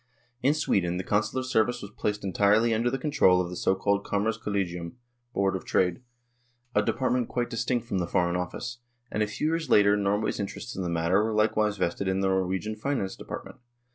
In Sweden, the Consular service was placed entirely under the control of the so called Kommerce Kollegium (Board of Trade), a department quite distinct from the Foreign Office, and a few years later Norway's interests in the matter were likewise vested in the Norwegian Finance De partment.